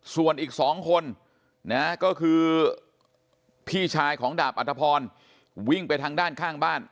ส่วนอีก๒คนนะก็คือพี่ชายของดาบอัธพรวิ่งไปทางด้านข้างบ้าน